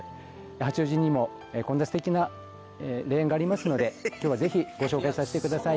八王子にもこんなすてきな霊園がありますので、きょうはぜひ、ご紹介させてください。